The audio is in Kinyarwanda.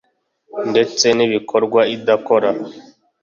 ndetse n ibikorwa idakora